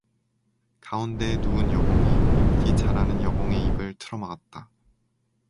가운데에 누운 여공이 웃기 잘하는 여공의 입을 틀어막았다.